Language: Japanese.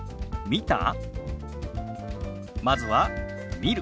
「見た？」。